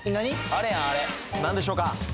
あれやんあれなんでしょうか？